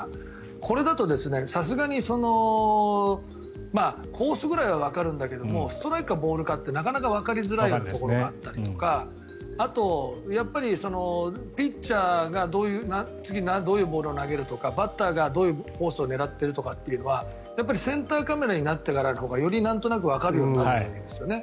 これだとさすがにコースぐらいはわかるんだけどストライクかボールかってなかなかわかりづらいところがあったりあと、ピッチャーが次、どういうボールを投げるとかバッターがどういうコースを狙っているかはやっぱりセンターカメラになってからのほうがよりわかるようになったよね。